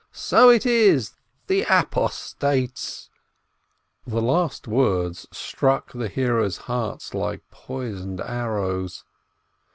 "So it is!" "The apostates !" WOMEN 477 The last words struck the hearers' hearts like poisoned arrows.